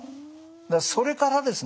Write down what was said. それからですね。